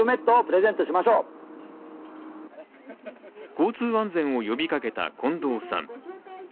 交通安全を呼びかけた近藤さん。